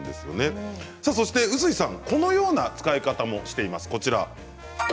そして、うすいさんこのような使い方もしています。